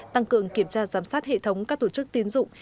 tăng cường kiểm tra giám sát hệ thống các tổ chức tiến dụng